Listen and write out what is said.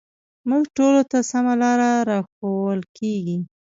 موږ ټولو ته سمه لاره راښوول کېږي